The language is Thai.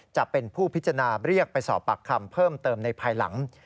จะเป็นผู้พิจารณาเรียกไปสอบปากคำเพิ่มเติมในภายหลัง